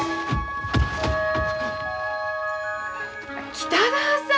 北川さん！